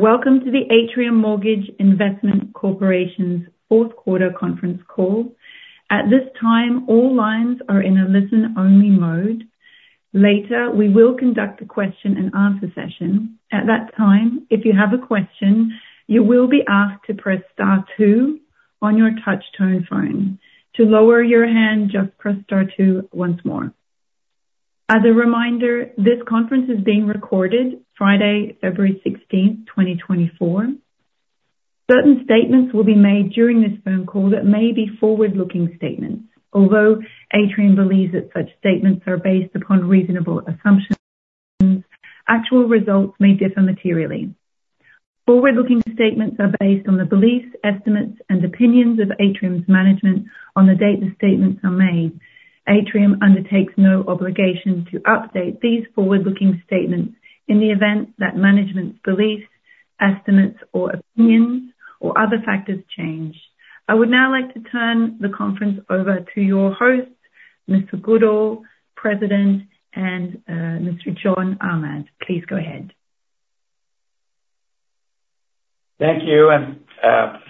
Welcome to the Atrium Mortgage Investment Corporation's Fourth-Quarter conference call. At this time, all lines are in a listen-only mode. Later, we will conduct a question-and-answer session. At that time, if you have a question, you will be asked to press star two on your touch-tone phone. To lower your hand, just press star two once more. As a reminder, this conference is being recorded Friday, 16th February, 2024. Certain statements will be made during this phone call that may be forward-looking statements. Although Atrium believes that such statements are based upon reasonable assumptions, actual results may differ materially. Forward-looking statements are based on the beliefs, estimates, and opinions of Atrium's management on the date the statements are made. Atrium undertakes no obligation to update these forward-looking statements in the event that management's beliefs, estimates, or opinions, or other factors change. I would now like to turn the conference over to your hosts, Mr. Goodall, President, and Mr. John Ahmad. Please go ahead. Thank you.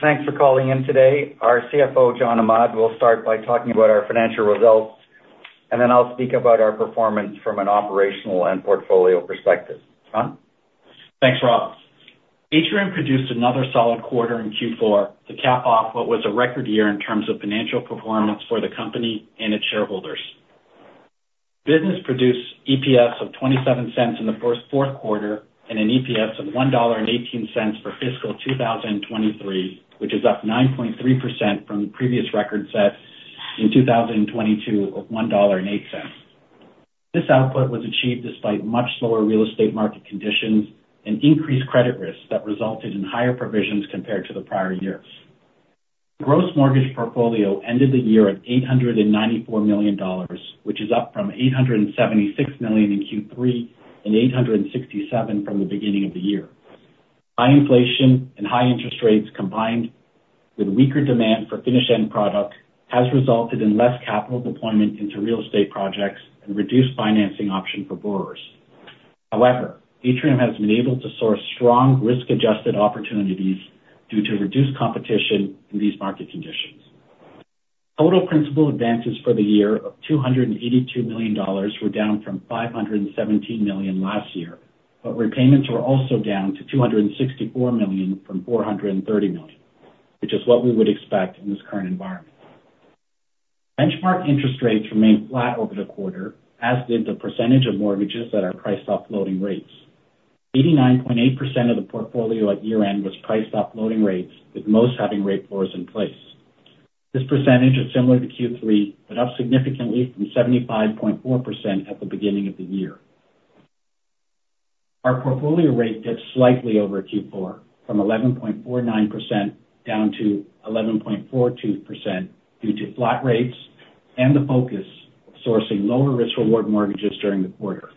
Thanks for calling in today. Our CFO, John Ahmad, will start by talking about our financial results, and then I'll speak about our performance from an operational and portfolio perspective. John? Thanks, Rob. Atrium produced another solid quarter in Q4 to cap off what was a record year in terms of financial performance for the company and its shareholders. Business produced EPS of 0.27 in the fourth quarter and an EPS of 1.18 dollar for fiscal 2023, which is up 9.3% from the previous record set in 2022 of 1.08 dollar. This output was achieved despite much slower real estate market conditions and increased credit risk that resulted in higher provisions compared to the prior year. Gross mortgage portfolio ended the year at 894 million dollars, which is up from 876 million in Q3 and 867 million from the beginning of the year. High inflation and high interest rates combined with weaker demand for finished-end product have resulted in less capital deployment into real estate projects and reduced financing options for borrowers. However, Atrium has been able to source strong risk-adjusted opportunities due to reduced competition in these market conditions. Total principal advances for the year of 282 million dollars were down from 517 million last year, but repayments were also down to 264 million from 430 million, which is what we would expect in this current environment. Benchmark interest rates remained flat over the quarter, as did the percentage of mortgages that are priced off floating rates. 89.8% of the portfolio at year-end was priced off floating rates, with most having rate floors in place. This percentage is similar to Q3 but up significantly from 75.4% at the beginning of the year. Our portfolio rate dipped slightly over Q4 from 11.49% down to 11.42% due to flat rates and the focus of sourcing lower-risk-reward mortgages during the quarter.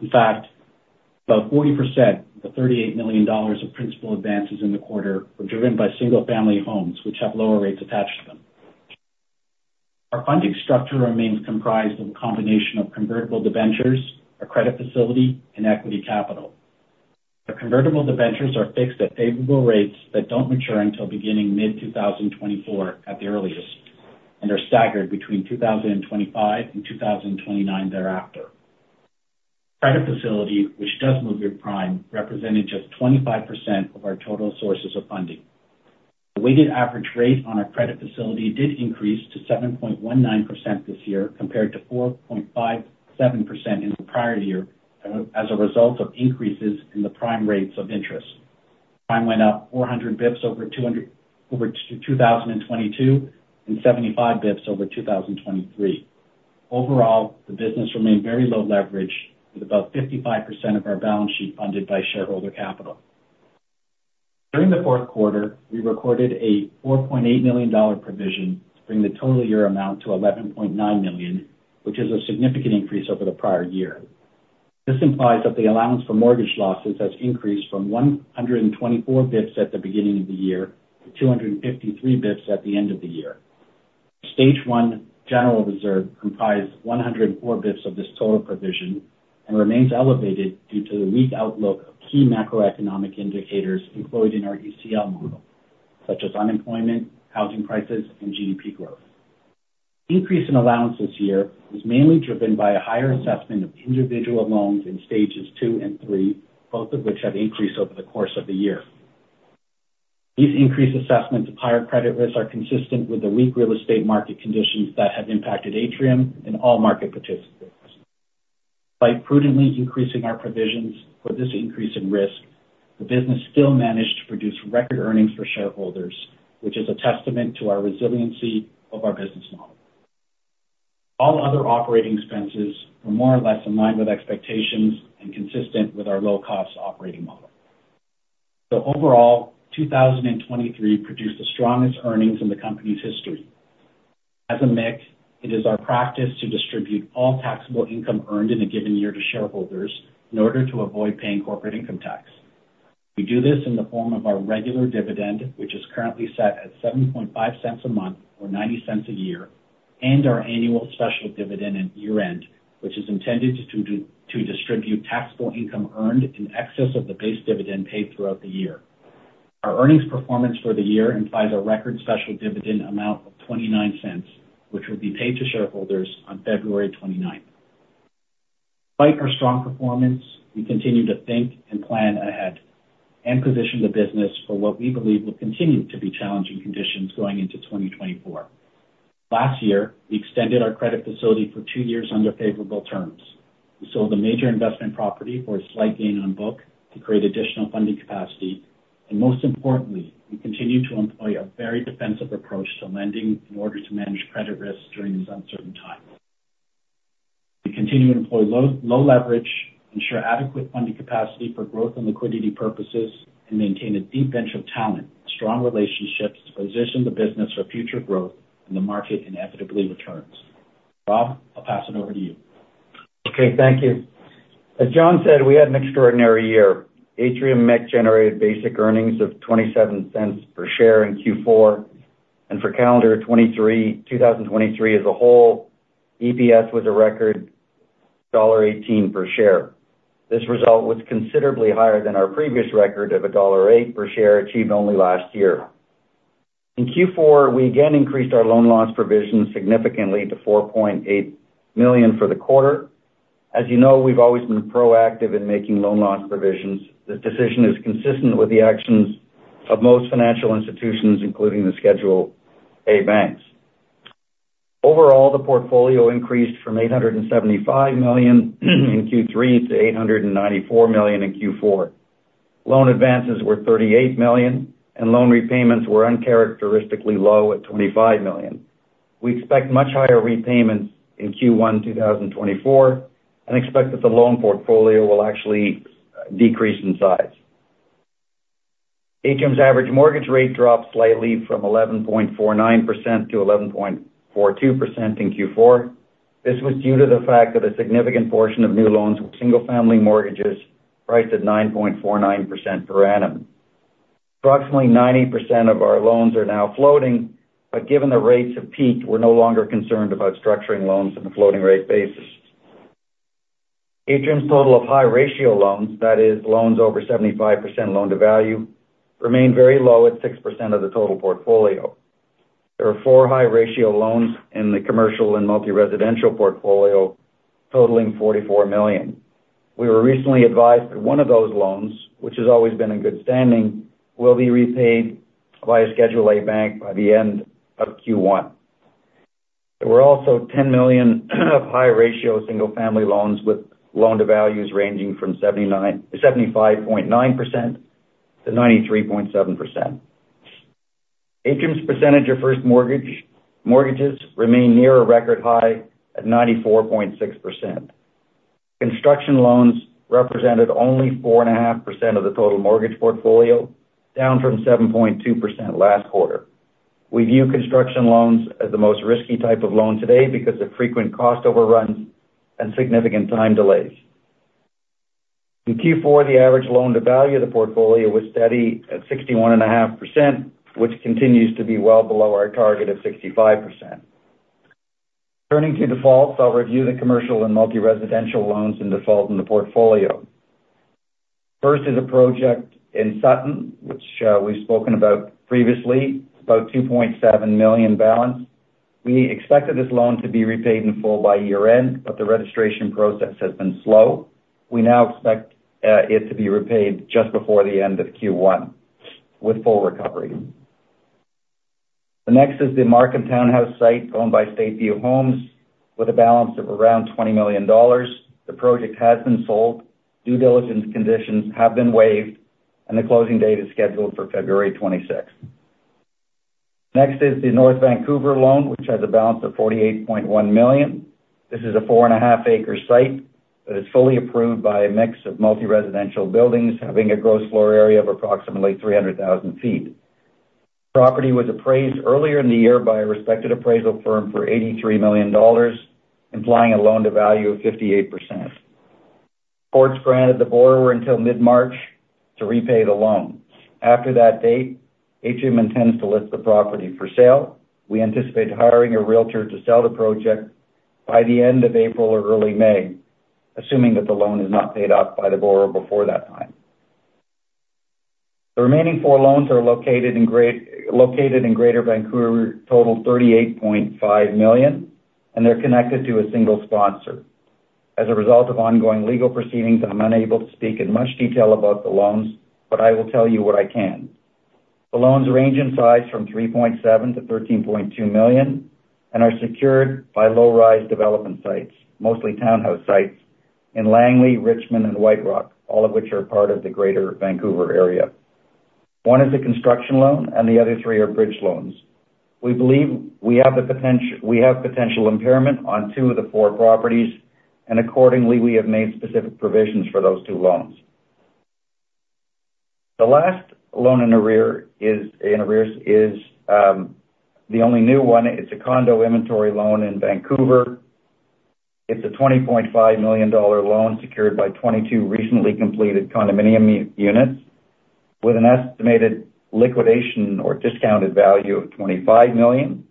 In fact, about 40% of the 38 million dollars of principal advances in the quarter were driven by single-family homes, which have lower rates attached to them. Our funding structure remains comprised of a combination of convertible debentures, a credit facility, and equity capital. The convertible debentures are fixed at favorable rates that don't mature until beginning mid-2024 at the earliest and are staggered between 2025 and 2029 thereafter. Credit facility, which does move at prime, represented just 25% of our total sources of funding. The weighted average rate on our credit facility did increase to 7.19% this year compared to 4.57% in the prior year as a result of increases in the prime rates of interest. Prime went up 400 basis points over 2022 and 75 basis points over 2023. Overall, the business remained very low leverage, with about 55% of our balance sheet funded by shareholder capital. During the fourth quarter, we recorded a 4.8 million dollar provision to bring the total year amount to 11.9 million, which is a significant increase over the prior year. This implies that the allowance for mortgage losses has increased from 124 basis points at the beginning of the year to 253 basis points at the end of the year. Stage one general reserve comprised 104 basis points of this total provision and remains elevated due to the weak outlook of key macroeconomic indicators employed in our ECL model, such as unemployment, housing prices, and GDP growth. The increase in allowance this year was mainly driven by a higher assessment of individual loans in stages two and three, both of which have increased over the course of the year. These increased assessments of higher credit risk are consistent with the weak real estate market conditions that have impacted Atrium and all market participants. By prudently increasing our provisions for this increase in risk, the business still managed to produce record earnings for shareholders, which is a testament to our resiliency of our business model. All other operating expenses were more or less in line with expectations and consistent with our low-cost operating model. So overall, 2023 produced the strongest earnings in the company's history. As a MIC, it is our practice to distribute all taxable income earned in a given year to shareholders in order to avoid paying corporate income tax. We do this in the form of our regular dividend, which is currently set at 0.075 a month or 0.90 a year, and our annual special dividend at year-end, which is intended to distribute taxable income earned in excess of the base dividend paid throughout the year. Our earnings performance for the year implies a record special dividend amount of 0.29, which will be paid to shareholders on 29th February. Despite our strong performance, we continue to think and plan ahead and position the business for what we believe will continue to be challenging conditions going into 2024. Last year, we extended our credit facility for two years under favorable terms. We sold a major investment property for a slight gain on book to create additional funding capacity. And most importantly, we continue to employ a very defensive approach to lending in order to manage credit risk during these uncertain times. We continue to employ low leverage, ensure adequate funding capacity for growth and liquidity purposes, and maintain a deep bench of talent, strong relationships to position the business for future growth and the market inevitably returns. Rob, I'll pass it over to you. Okay. Thank you. As John said, we had an extraordinary year. Atrium MIC generated basic earnings of 0.27 per share in Q4. For calendar 2023 as a whole, EPS was a record dollar 1.18 per share. This result was considerably higher than our previous record of dollar 1.08 per share achieved only last year. In Q4, we again increased our loan loss provisions significantly to 4.8 million for the quarter. As you know, we've always been proactive in making loan loss provisions. This decision is consistent with the actions of most financial institutions, including the Schedule A Banks. Overall, the portfolio increased from 875 million in Q3 to 894 million in Q4. Loan advances were 38 million, and loan repayments were uncharacteristically low at 25 million. We expect much higher repayments in Q1 2024 and expect that the loan portfolio will actually decrease in size. Atrium's average mortgage rate dropped slightly from 11.49%-11.42% in Q4. This was due to the fact that a significant portion of new loans were single-family mortgages priced at 9.49% per annum. Approximately 90% of our loans are now floating, but given the rates have peaked, we're no longer concerned about structuring loans on a floating-rate basis. Atrium's total of high-ratio loans, that is, loans over 75% loan-to-value, remained very low at 6% of the total portfolio. There are four high-ratio loans in the commercial and multiresidential portfolio totaling 44 million. We were recently advised that one of those loans, which has always been in good standing, will be repaid by a Schedule A Bank by the end of Q1. There were also 10 million of high-ratio single-family loans with loan-to-values ranging from 75.9%-93.7%. Atrium's percentage of first mortgages remained near a record high at 94.6%. Construction loans represented only 4.5% of the total mortgage portfolio, down from 7.2% last quarter. We view construction loans as the most risky type of loan today because of frequent cost overruns and significant time delays. In Q4, the average loan-to-value of the portfolio was steady at 61.5%, which continues to be well below our target of 65%. Turning to defaults, I'll review the commercial and multiresidential loans in default in the portfolio. First is a project in Sutton, which we've spoken about previously, about 2.7 million balance. We expected this loan to be repaid in full by year-end, but the registration process has been slow. We now expect it to be repaid just before the end of Q1 with full recovery. The next is the Markham Townhouse site owned by StateView Homes with a balance of around 20 million dollars. The project has been sold. Due diligence conditions have been waived, and the closing date is scheduled for 26th February. Next is the North Vancouver loan, which has a balance of 48.1 million. This is a 4.5 acres site that is fully approved by a mix of multiresidential buildings having a gross floor area of approximately 300,000 sq ft. The property was appraised earlier in the year by a respected appraisal firm for 83 million dollars, implying a loan-to-value of 58%. Reports granted the borrower until mid-March to repay the loan. After that date, Atrium intends to list the property for sale. We anticipate hiring a realtor to sell the project by the end of April or early May, assuming that the loan is not paid off by the borrower before that time. The remaining four loans are located in Greater Vancouver, total 38.5 million, and they're connected to a single sponsor. As a result of ongoing legal proceedings, I'm unable to speak in much detail about the loans, but I will tell you what I can. The loans range in size from 3.7 million-13.2 million and are secured by low-rise development sites, mostly townhouse sites, in Langley, Richmond, and White Rock, all of which are part of the Greater Vancouver area. One is a construction loan, and the other three are bridge loans. We believe we have potential impairment on two of the four properties, and accordingly, we have made specific provisions for those two loans. The last loan in arrears is the only new one. It's a condo inventory loan in Vancouver. It's a 20.5 million dollar loan secured by 22 recently completed condominium units with an estimated liquidation or discounted value of 25 million.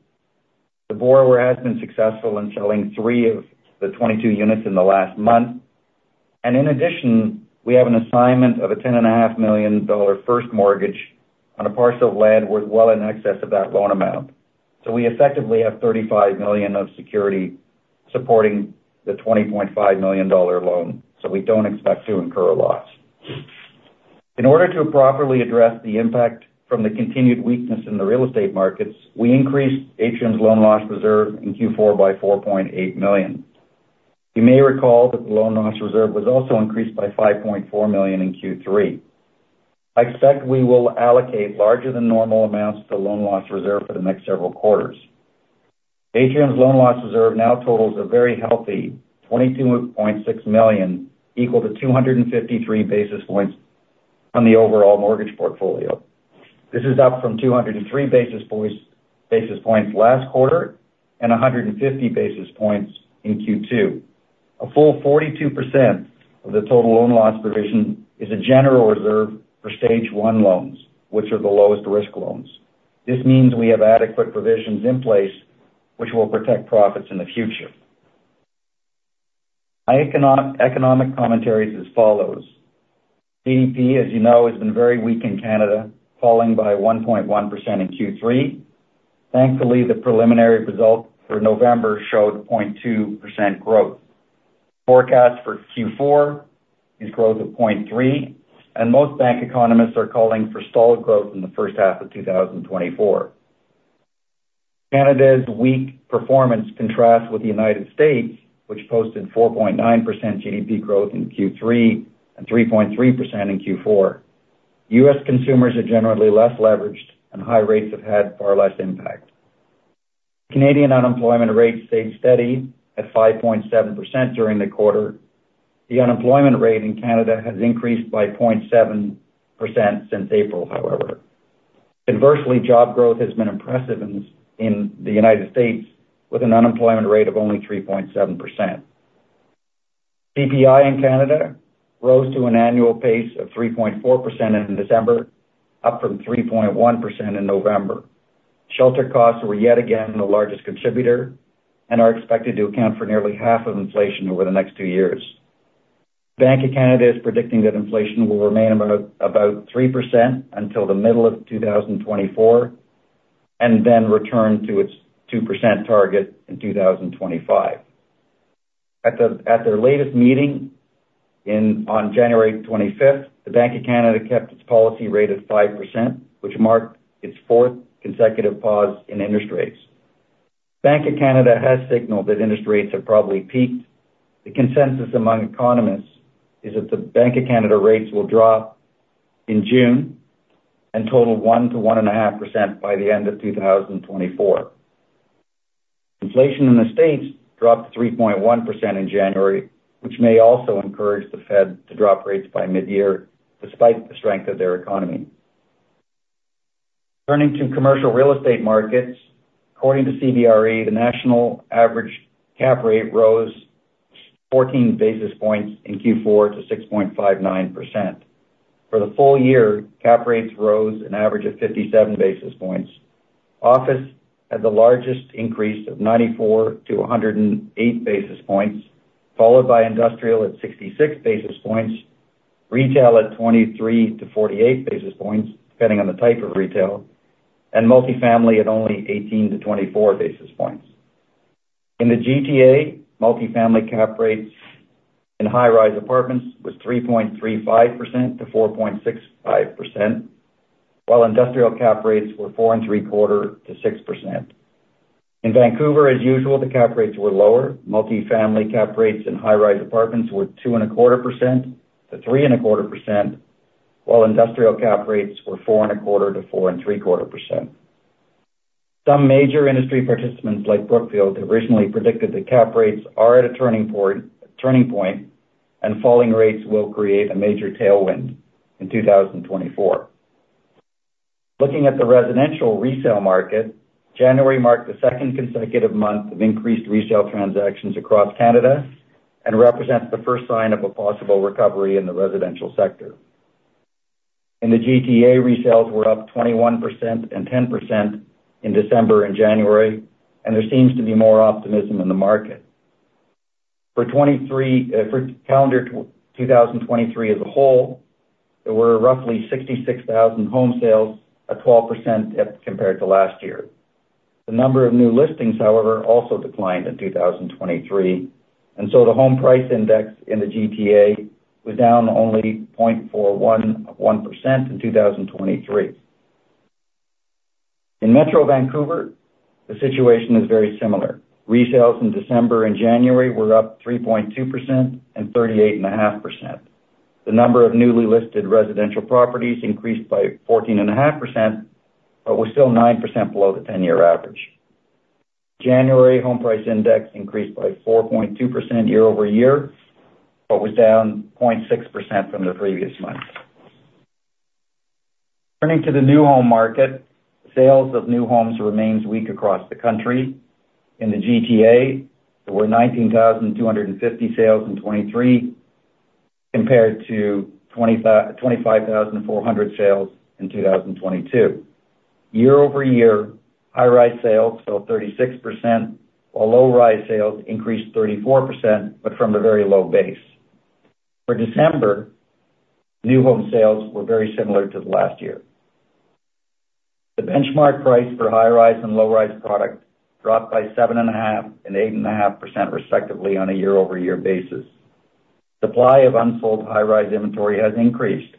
The borrower has been successful in selling three of the 22 units in the last month. In addition, we have an assignment of a 10.5 million dollar first mortgage on a parcel of land worth well in excess of that loan amount. We effectively have 35 million of security supporting the 20.5 million dollar loan. We don't expect to incur a loss. In order to properly address the impact from the continued weakness in the real estate markets, we increased Atrium's loan loss reserve in Q4 by 4.8 million. You may recall that the loan loss reserve was also increased by 5.4 million in Q3. I expect we will allocate larger than normal amounts to the loan loss reserve for the next several quarters. Atrium's loan loss reserve now totals a very healthy 22.6 million, equal to 253 basis points on the overall mortgage portfolio. This is up from 203 basis points last quarter and 150 basis points in Q2. A full 42% of the total loan loss provision is a general reserve for Stage I Loans, which are the lowest-risk loans. This means we have adequate provisions in place which will protect profits in the future. My economic commentary is as follows. GDP, as you know, has been very weak in Canada, falling by 1.1% in Q3. Thankfully, the preliminary result for November showed 0.2% growth. The forecast for Q4 is growth of 0.3%, and most bank economists are calling for stalled growth in the first half of 2024. Canada's weak performance contrasts with the United States, which posted 4.9% GDP growth in Q3 and 3.3% in Q4. U.S. consumers are generally less leveraged, and high rates have had far less impact. Canadian unemployment rate stayed steady at 5.7% during the quarter. The unemployment rate in Canada has increased by 0.7% since April, however. Conversely, job growth has been impressive in the United States with an unemployment rate of only 3.7%. PPI in Canada rose to an annual pace of 3.4% in December, up from 3.1% in November. Shelter costs were yet again the largest contributor and are expected to account for nearly half of inflation over the next two years. The Bank of Canada is predicting that inflation will remain about 3% until the middle of 2024 and then return to its 2% target in 2025. At their latest meeting on 25th January, the Bank of Canada kept its policy rate at 5%, which marked its fourth consecutive pause in interest rates. The Bank of Canada has signaled that interest rates have probably peaked. The consensus among economists is that the Bank of Canada rates will drop in June and total 1%-1.5% by the end of 2024. Inflation in the States dropped 3.1% in January, which may also encourage the Fed to drop rates by mid-year despite the strength of their economy. Turning to commercial real estate markets, according to CBRE, the national average cap rate rose 14 basis points in Q4 to 6.59%. For the full year, cap rates rose an average of 57 basis points. Office had the largest increase of 94-108 basis points, followed by industrial at 66 basis points, retail at 23-48 basis points, depending on the type of retail, and multifamily at only 18-24 basis points. In the GTA, multifamily cap rates in high-rise apartments were 3.35%-4.65%, while industrial cap rates were 4.75%-6%. In Vancouver, as usual, the cap rates were lower. Multifamily cap rates in high-rise apartments were 2.25%-3.25%, while industrial cap rates were 4.25%-4.75%. Some major industry participants like Brookfield originally predicted the cap rates are at a turning point and falling rates will create a major tailwind in 2024. Looking at the residential resale market, January marked the second consecutive month of increased resale transactions across Canada and represents the first sign of a possible recovery in the residential sector. In the GTA, resales were up 21% and 10% in December and January, and there seems to be more optimism in the market. For calendar 2023 as a whole, there were roughly 66,000 home sales, a 12% dip compared to last year. The number of new listings, however, also declined in 2023, and so the home price index in the GTA was down only 0.41% in 2023. In Metro Vancouver, the situation is very similar. Resales in December and January were up 3.2% and 38.5%. The number of newly listed residential properties increased by 14.5% but was still 9% below the 10-year average. January home price index increased by 4.2% year-over-year but was down 0.6% from the previous month. Turning to the new home market, sales of new homes remain weak across the country. In the GTA, there were 19,250 sales in 2023 compared to 25,400 sales in 2022. Year-over-year, high-rise sales fell 36% while low-rise sales increased 34% but from the very low base. For December, new home sales were very similar to the last year. The benchmark price for high-rise and low-rise product dropped by 7.5%- 8.5% respectively on a year-over-year basis. Supply of unsold high-rise inventory has increased,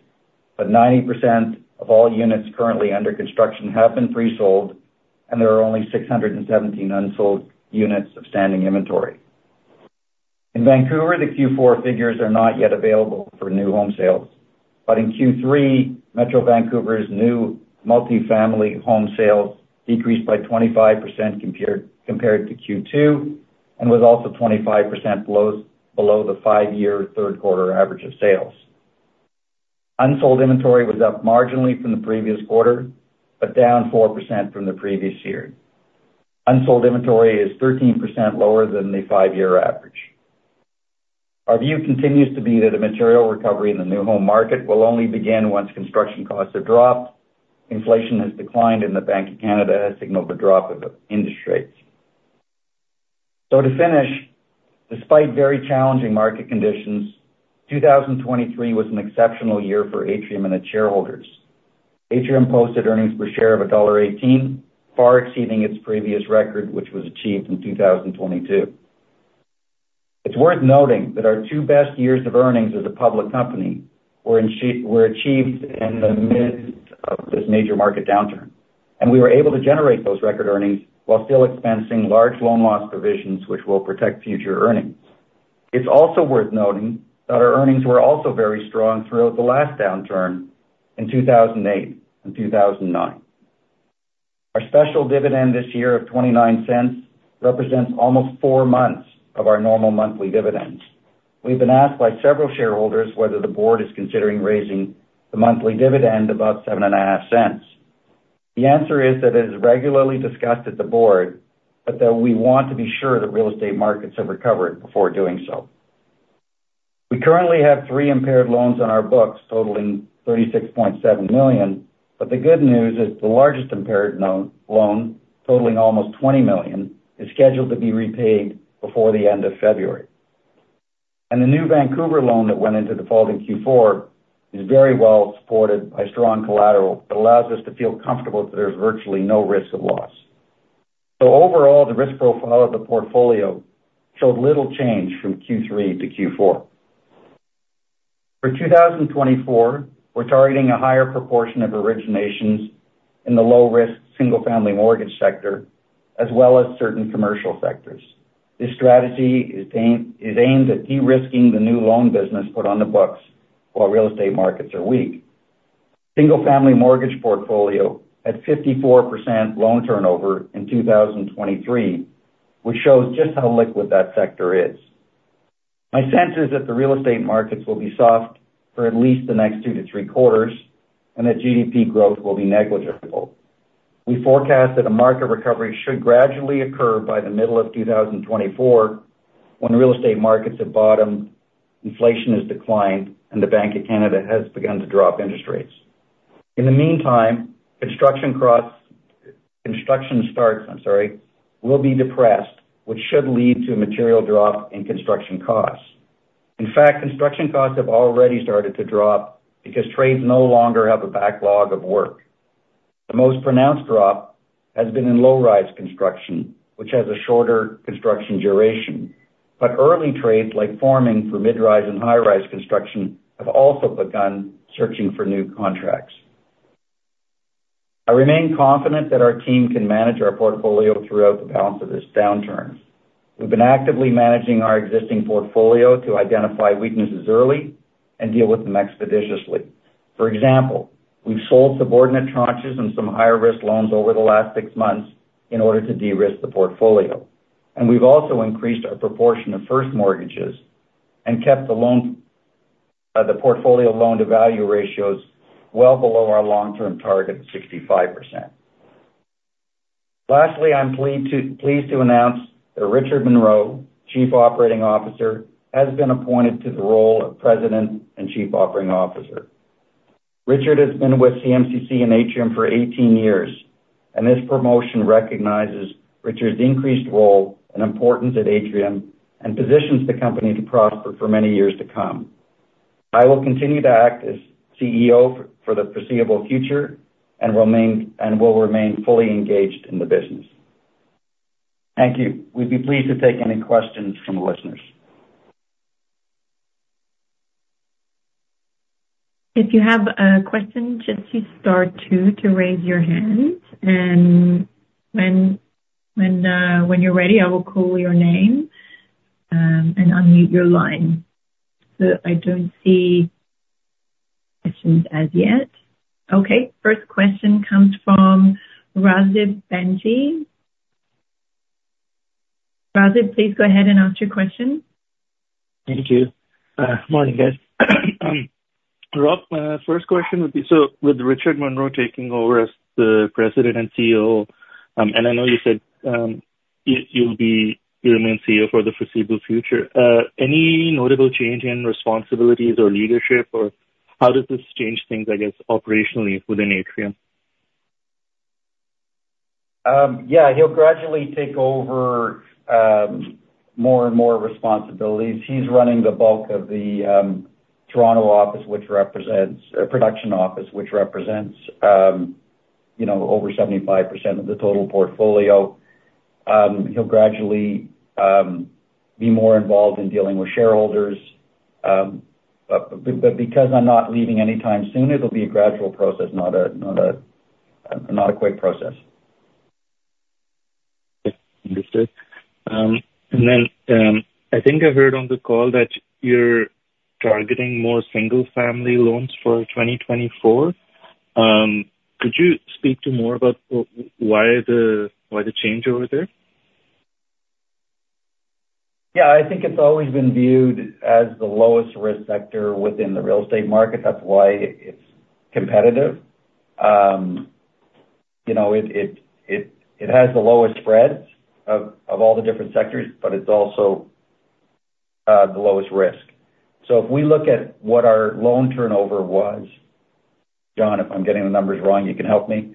but 90% of all units currently under construction have been pre sold, and there are only 617 unsold units of standing inventory. In Vancouver, the Q4 figures are not yet available for new home sales, but in Q3, Metro Vancouver's new multifamily home sales decreased by 25% compared to Q2 and was also 25% below the five-year third-quarter average of sales. Unsold inventory was up marginally from the previous quarter but down 4% from the previous year. Unsold inventory is 13% lower than the five-year average. Our view continues to be that a material recovery in the new home market will only begin once construction costs have dropped. Inflation has declined, and the Bank of Canada has signaled the drop of interest rates. To finish, despite very challenging market conditions, 2023 was an exceptional year for Atrium and its shareholders. Atrium posted earnings per share of dollar 1.18, far exceeding its previous record, which was achieved in 2022. It's worth noting that our two best years of earnings as a public company were achieved in the midst of this major market downturn, and we were able to generate those record earnings while still expensing large loan loss provisions, which will protect future earnings. It's also worth noting that our earnings were also very strong throughout the last downturn in 2008 and 2009. Our special dividend this year of 0.29 represents almost four months of our normal monthly dividends. We've been asked by several shareholders whether the board is considering raising the monthly dividend above 0.075. The answer is that it is regularly discussed at the board but that we want to be sure that real estate markets have recovered before doing so. We currently have three impaired loans on our books totaling 36.7 million, but the good news is the largest impaired loan totaling almost 20 million is scheduled to be repaid before the end of February. The new Vancouver loan that went into default in Q4 is very well supported by strong collateral that allows us to feel comfortable that there's virtually no risk of loss. Overall, the risk profile of the portfolio showed little change from Q3 to Q4. For 2024, we're targeting a higher proportion of originations in the low-risk single-family mortgage sector as well as certain commercial sectors. This strategy is aimed at de-risking the new loan business put on the books while real estate markets are weak. Single-family mortgage portfolio had 54% loan turnover in 2023, which shows just how liquid that sector is. My sense is that the real estate markets will be soft for at least the next two to three quarters and that GDP growth will be negligible. We forecast that a market recovery should gradually occur by the middle of 2024 when real estate markets have bottomed, inflation has declined, and the Bank of Canada has begun to drop interest rates. In the meantime, construction starts I'm sorry will be depressed, which should lead to a material drop in construction costs. In fact, construction costs have already started to drop because trades no longer have a backlog of work. The most pronounced drop has been in low-rise construction, which has a shorter construction duration, but early trades like framing for mid-rise and high-rise construction have also begun searching for new contracts. I remain confident that our team can manage our portfolio throughout the balance of this downturn. We've been actively managing our existing portfolio to identify weaknesses early and deal with them expeditiously. For example, we've sold subordinate tranches and some higher-risk loans over the last six months in order to de-risk the portfolio. We've also increased our proportion of first mortgages and kept the portfolio loan-to-value ratios well below our long-term target of 65%. Lastly, I'm pleased to announce that Richard Munroe, Chief Operating Officer, has been appointed to the role of President and Chief Operating Officer. Richard has been with CMCC and Atrium for 18 years, and this promotion recognizes Richard's increased role and importance at Atrium and positions the company to prosper for many years to come. I will continue to act as CEO for the foreseeable future and will remain fully engaged in the business. Thank you. We'd be pleased to take any questions from the listeners. If you have a question, just to start too, to raise your hand. And when you're ready, I will call your name and unmute your line. So I don't see questions as yet. Okay. First question comes from Rasib Bhanji. Rasib, please go ahead and ask your question. Thank you. Morning, guys. Rob, first question would be so with Richard Munroe taking over as the President and CEO and I know you said you'll be you remain CEO for the foreseeable future. Any notable change in responsibilities or leadership, or how does this change things, I guess, operationally within Atrium? Yeah. He'll gradually take over more and more responsibilities. He's running the bulk of the Toronto office which represents production office which represents over 75% of the total portfolio. He'll gradually be more involved in dealing with shareholders. But because I'm not leaving anytime soon, it'll be a gradual process, not a quick process. Understood. And then I think I heard on the call that you're targeting more single-family loans for 2024. Could you speak to more about why the change over there? Yeah. I think it's always been viewed as the lowest-risk sector within the real estate market. That's why it's competitive. It has the lowest spread of all the different sectors, but it's also the lowest risk. So if we look at what our loan turnover was John, if I'm getting the numbers wrong, you can help me.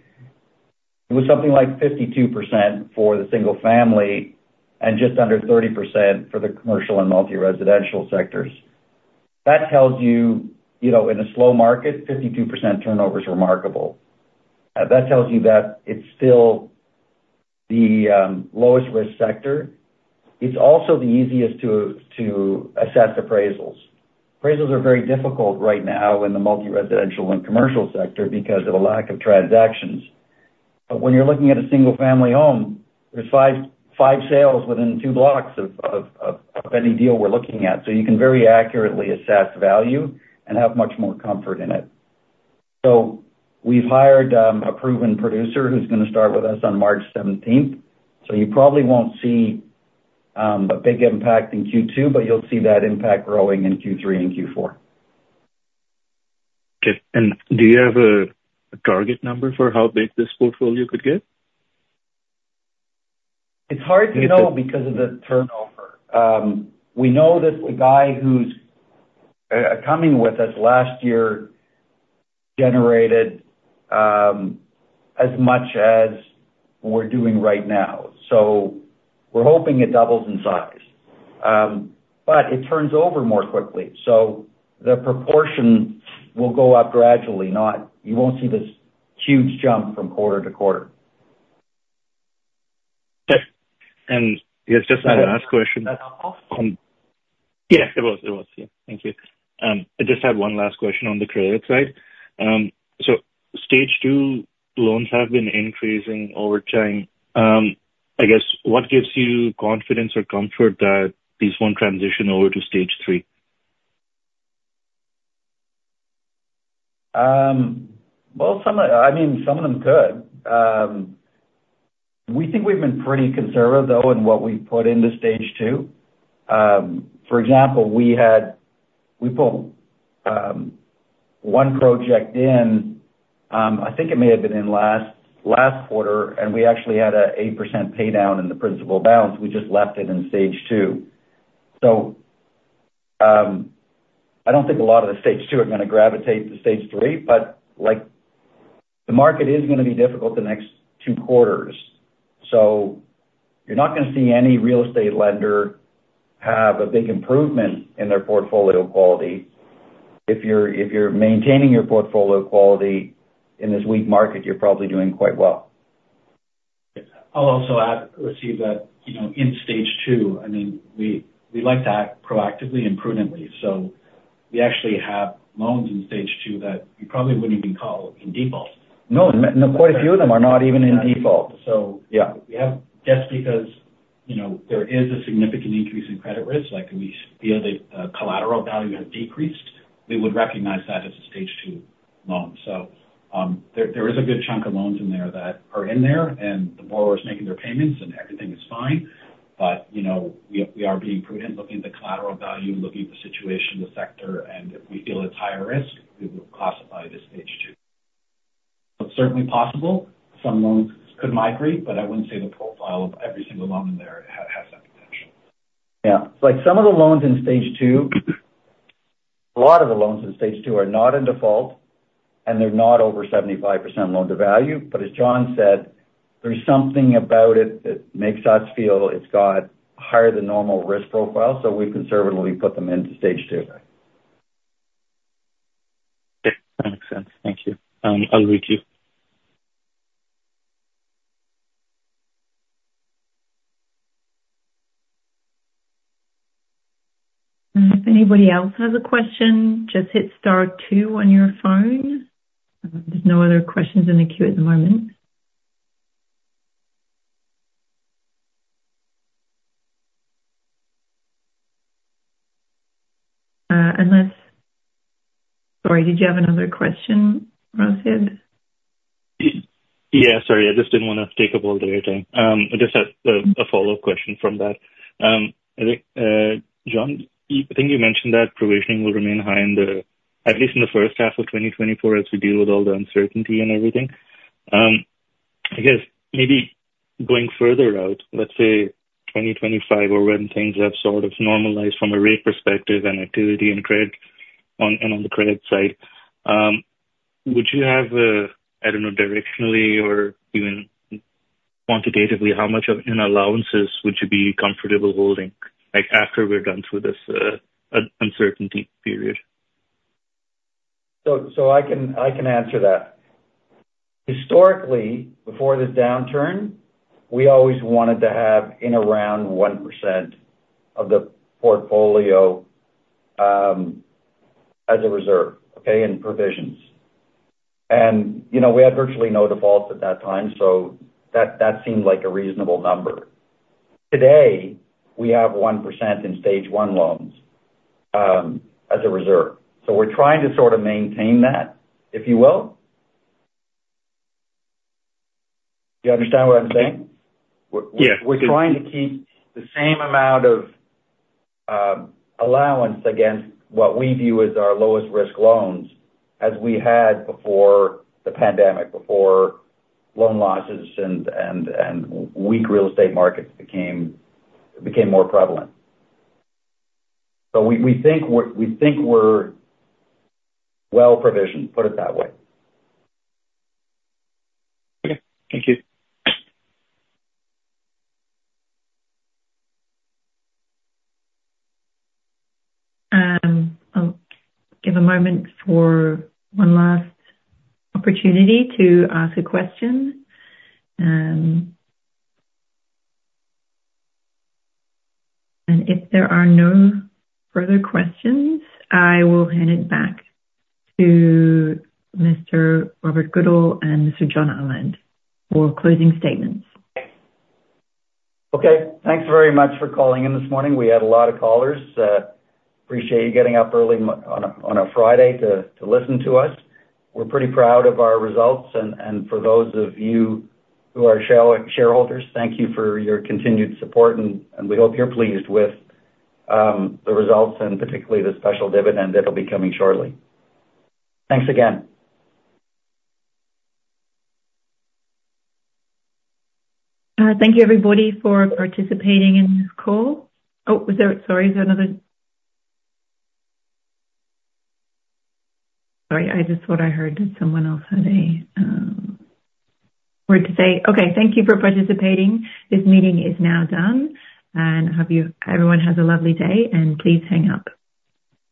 It was something like 52% for the single-family and just under 30% for the commercial and multiresidential sectors. That tells you in a slow market, 52% turnover is remarkable. That tells you that it's still the lowest-risk sector. It's also the easiest to assess appraisals. Appraisals are very difficult right now in the multiresidential and commercial sector because of a lack of transactions. But when you're looking at a single-family home, there's 5 sales within 2 blocks of any deal we're looking at. So you can very accurately assess value and have much more comfort in it. So we've hired a proven producer who's going to start with us on March 17th. So you probably won't see a big impact in Q2, but you'll see that impact growing in Q3 and Q4. Okay. And do you have a target number for how big this portfolio could get? It's hard to know because of the turnover. We know that the guy who's coming with us last year generated as much as we're doing right now. So we're hoping it doubles in size. But it turns over more quickly. So the proportion will go up gradually. You won't see this huge jump from quarter to quarter. Okay. And yes, just my last question. That's helpful. Yeah. It was. It was. Yeah. Thank you. I just had one last question on the credit side. So stage 2 loans have been increasing over time. I guess what gives you confidence or comfort that these won't transition over to stage three? Well, I mean, some of them could. We think we've been pretty conservative, though, in what we've put into stage two. For example, we put one project in. I think it may have been in last quarter, and we actually had an 8% paydown in the principal balance. We just left it in stage two. So I don't think a lot of the stage two are going to gravitate to stage three, but the market is going to be difficult the next two quarters. So you're not going to see any real estate lender have a big improvement in their portfolio quality. If you're maintaining your portfolio quality in this weak market, you're probably doing quite well. I'll also add, let's see, that in stage two, I mean, we like to act proactively and prudently. So we actually have loans in stage two that you probably wouldn't even call in default. No. Quite a few of them are not even in default. So we have, just because there is a significant increase in credit risk, like we feel that collateral value has decreased, we would recognize that as a stage two loan. So there is a good chunk of loans in there that are in there, and the borrower's making their payments, and everything is fine. But we are being prudent, looking at the collateral value, looking at the situation, the sector. And if we feel it's higher risk, we will classify it as stage two. So it's certainly possible. Some loans could migrate, but I wouldn't say the profile of every single loan in there has that potential. Yeah. Some of the loans in stage two—a lot of the loans in stage two are not in default, and they're not over 75% loan-to-value. But as John said, there's something about it that makes us feel it's got higher than normal risk profile. So we've conservatively put them into stage two. Okay. That makes sense. Thank you. I'll read to you. If anybody else has a question, just hit star two on your phone. There's no other questions in the queue at the moment. Unless, sorry. Did you have another question, Rasib? Yeah. Sorry. I just didn't want to take up all of your time. I just had a follow-up question from that. John, I think you mentioned that provisioning will remain high at least in the first half of 2024 as we deal with all the uncertainty and everything. I guess maybe going further out, let's say 2025 or when things have sort of normalized from a rate perspective and activity and credit and on the credit side, would you have a I don't know, directionally or even quantitatively, how much in allowances would you be comfortable holding after we're done through this uncertainty period? So I can answer that. Historically, before this downturn, we always wanted to have in around 1% of the portfolio as a reserve, okay, in provisions. And we had virtually no defaults at that time, so that seemed like a reasonable number. Today, we have 1% in stage one loans as a reserve. So we're trying to sort of maintain that, if you will. Do you understand what I'm saying? Yeah. We're trying to keep the same amount of allowance against what we view as our lowest-risk loans as we had before the pandemic, before loan losses and weak real estate markets became more prevalent. So we think we're well provisioned, put it that way. Okay. Thank you. I'll give a moment for one last opportunity to ask a question. And if there are no further questions, I will hand it back to Mr. Robert Goodall and Mr. John Ahmad for closing statements. Okay. Thanks very much for calling in this morning. We had a lot of callers. Appreciate you getting up early on a Friday to listen to us. We're pretty proud of our results. For those of you who are shareholders, thank you for your continued support, and we hope you're pleased with the results and particularly the special dividend that'll be coming shortly. Thanks again. Thank you, everybody, for participating in this call. Oh, sorry. Is there another sorry. I just thought I heard that someone else had a word to say. Okay. Thank you for participating. This meeting is now done, and everyone has a lovely day. Please hang up.